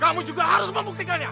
kamu juga harus membuktikannya